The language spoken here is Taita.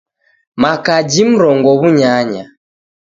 Makaji mrongo w'unyanya